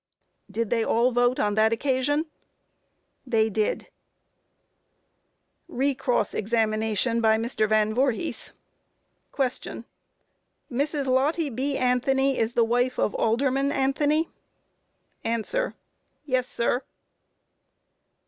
Q. Did they all vote on that occasion? A. They did. Re Cross Examination by MR. VAN VOORHIS. Q. Mrs. Lottie B. Anthony is the wife of Alderman Anthony? A. Yes, sir.